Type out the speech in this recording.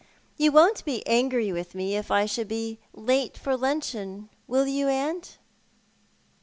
You won't be angry with me if I should be late for luncheon, will you, aunt?